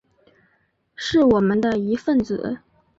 是我们的一分子